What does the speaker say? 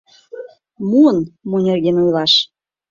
Муын, мо нерген ойлаш.